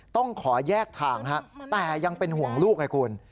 ต้องขอแยกทางฮะแต่ยังเป็นห่วงลูกไงคุณ